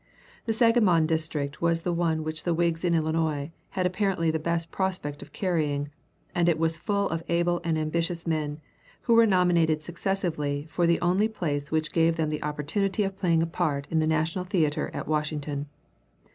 The Sangamon district was the one which the Whigs of Illinois had apparently the best prospect of carrying, and it was full of able and ambitious men, who were nominated successively for the only place which gave them the opportunity of playing a part in the national theater at Washington.